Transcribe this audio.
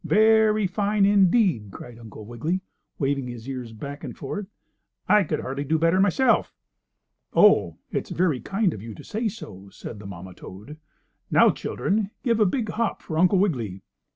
Very fine, indeed!" cried Uncle Wiggily, waving his ears back and forth. "I could hardly do better myself." "Oh, it's very kind of you to say so," said the mamma toad. "Now, children, give a big hop for Uncle Wiggily."